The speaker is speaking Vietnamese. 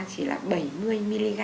chỉ là bảy mươi mg